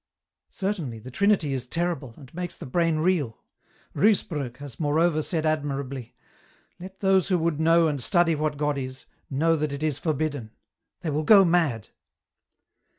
" Certainly the Trinity is terrible, and makes the brain reel. Ruysbrock has moreover said admirably, ' Let those who would know and study what God is, know that it is forbidden ; they will go mad.'